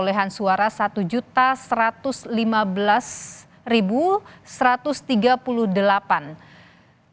dilanjutkan dengan pasangan anies mohaimin dengan dua enam ratus lima puluh tiga enam ratus dua puluh delapan suara